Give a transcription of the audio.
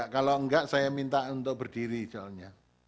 kalau enggak saya minta untuk berdiri soalnya